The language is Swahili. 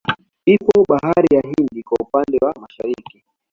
Ipo bahari ya Hindi kwa upande wa Mashariki